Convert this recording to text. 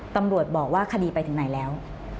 ตำรวจบอกว่าคดีไปถึงไหนแล้ว